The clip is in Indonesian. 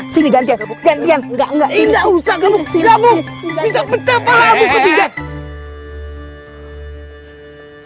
gantian gantian enggak enggak enggak usah gabung gabung